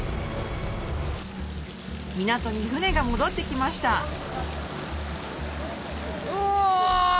港に船が戻ってきましたお！